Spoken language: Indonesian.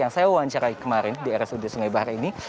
yang saya wawancarai kemarin di rsud sungai bahar ini